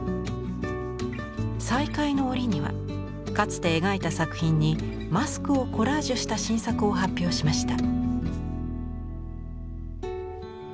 再開の折にはかつて描いた作品にマスクをコラージュした新作を発表しました。